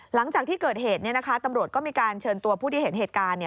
หลังจากที่เกิดเหตุตำรวจก็มีการเชิญตัวผู้ที่เห็นเหตุการณ์